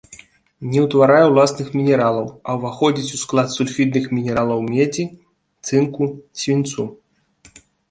Не ўтварае ўласных мінералаў, а ўваходзіць у склад сульфідных мінералаў медзі, цынку, свінцу.